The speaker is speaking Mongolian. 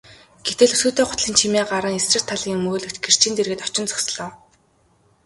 Гэтэл өсгийтэй гутлын чимээ гаран эсрэг талын өмгөөлөгч гэрчийн дэргэд очин зогслоо.